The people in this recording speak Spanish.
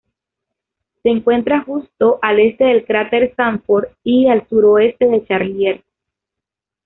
Se encuentra justo al este del cráter Sanford, y al suroeste de Charlier.